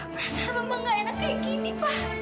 merasa memang gak enak kayak gini pak